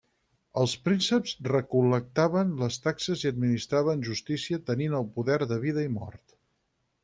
Els prínceps recol·lectaven les taxes i administraven justícia tenint poder de vida i mort.